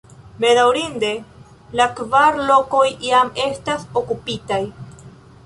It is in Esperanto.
Bedaŭrinde la kvar lokoj jam estas okupitaj.